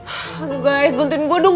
aduh guys bantuin gua dong